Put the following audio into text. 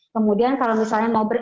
kemudian kalau misalnya mau